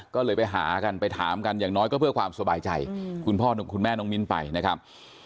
ก็เลยไปหากันไปถามกันอย่างน้อยก็เพื่อความสบายใจคุณพ่อคุณแม่น้องมิ้นไปนะครับ